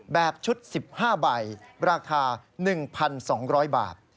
แบบชุด๑๕ใบราคา๑๒๐๐บาท